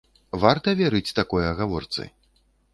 Варта верыць такой агаворцы?